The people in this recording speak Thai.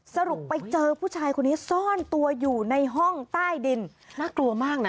สรุปไปเจอผู้ชายคนนี้ซ่อนตัวอยู่ในห้องใต้ดินน่ากลัวมากนะ